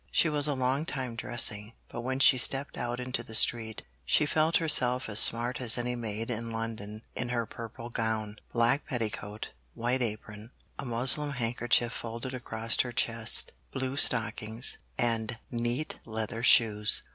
She was a long time dressing, but when she stepped out into the street, she felt herself as smart as any maid in London in her purple gown, black petticoat, white apron, a muslin handkerchief folded across her chest, blue stockings, and neat leather shoes.